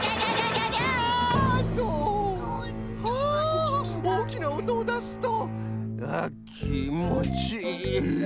あおおきなおとをだすとあきんもちいい。